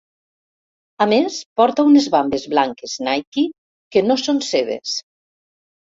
A més porta unes vambes blanques Nike que no són seves.